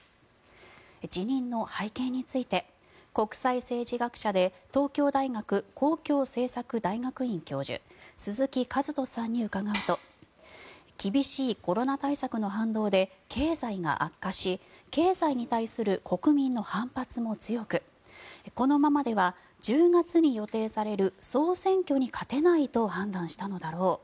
辞任の背景について国際政治学者で東京大学公共政策大学院教授鈴木一人さんに伺うと厳しいコロナ対策の反動で経済が悪化し経済に対する国民の反発も強くこのままでは１０月に予定される総選挙に勝てないと判断したのだろう。